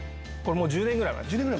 １０年ぐらい前。